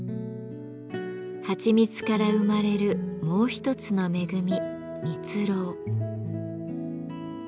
はちみつから生まれるもう一つの恵み「蜜ろう」。